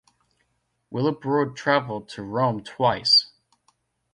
Willibrord travelled to Rome twice.